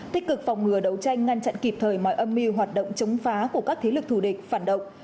tích cực phòng ngừa đấu tranh ngăn chặn kịp thời mọi âm mưu hoạt động chống phá của các thế lực thù địch phản động